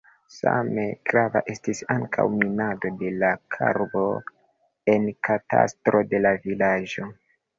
Same grava estis ankaŭ minado de la karbo en katastro de la vilaĝo.